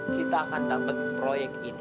kita akan dapat proyek ini